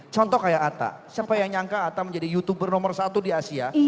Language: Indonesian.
contoh kayak atta siapa yang nyangka atta menjadi youtuber nomor satu di asia